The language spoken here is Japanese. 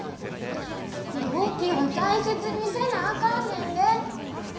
同期は大切にせなあかんねんで。